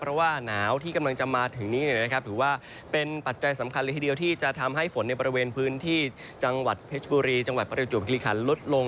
เพราะว่าหนาวที่กำลังจะมาถึงนี้ถือว่าเป็นปัจจัยสำคัญเลยทีเดียวที่จะทำให้ฝนในบริเวณพื้นที่จังหวัดเพชรบุรีจังหวัดประจวบคิริคันลดลง